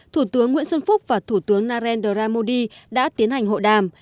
thủ tướng nguyễn xuân phúc và thủ tướng narendra modi đã tiến hành hội đàm